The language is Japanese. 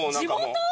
地元？